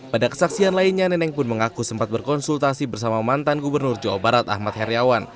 pada kesaksian lainnya neneng pun mengaku sempat berkonsultasi bersama mantan gubernur jawa barat ahmad heriawan